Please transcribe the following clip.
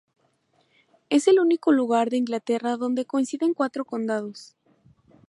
Es el único lugar de Inglaterra donde coinciden cuatro condados.